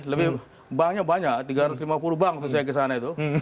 lebih banknya banyak tiga ratus lima puluh bank saya kesana itu